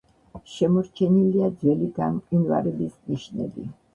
შემორჩენილია ძველი გამყინვარების ნიშნები.